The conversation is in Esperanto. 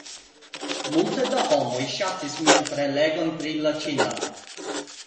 Multe da homoj ŝatis mian prelegon pri la ĉina